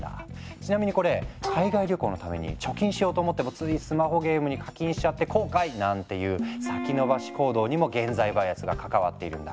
ちなみにこれ海外旅行のために貯金しようと思ってもついスマホゲームに課金しちゃって後悔！なんていう先延ばし行動にも現在バイアスが関わっているんだ。